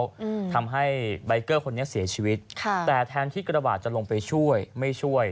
อืมทำให้ใบเกอร์คนนี้เสียชีวิตค่ะแต่แทนที่กระบาดจะลงไปช่วยไม่ช่วย